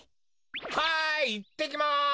はいいってきます！